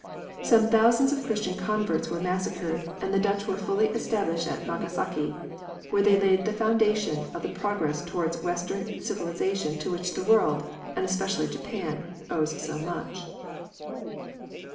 Some thousands of Christian converts were massacred, and the Dutch were fully established at Nagasaki, where they laid the foundation of that progress towards Western civilisation to which the world, and especially Japan, owes so much.